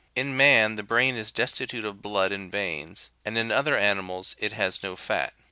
In man the brain is destitute of blood and veins, and in other animals it has no fat.